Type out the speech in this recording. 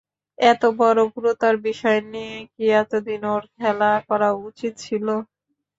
এত বড়ো গুরুতর বিষয় নিয়ে কি এতদিন ওঁর খেলা করা উচিত ছিল?